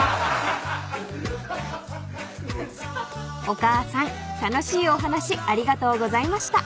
［お母さん楽しいお話ありがとうございました］